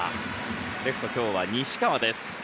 レフト、今日は西川です。